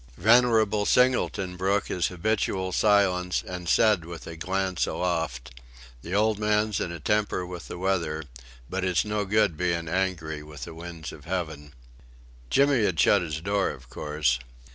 Venerable Singleton broke his habitual silence and said with a glance aloft: "The old man's in a temper with the weather, but it's no good bein' angry with the winds of heaven." Jimmy had shut his door, of course.